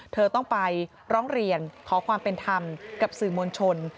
เธอต้องไปร้องเรียนขอความเป็นธรรมกับสื่อมวลชน